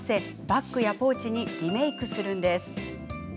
バッグやポーチにリメークするんです。